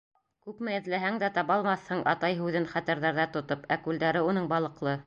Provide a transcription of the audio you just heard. Күпме эҙләһәң дә, табалмаҫһың Атай һүҙен хәтерҙәрҙә тотоп, Ә күлдәре уның балыҡлы.